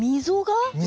溝が。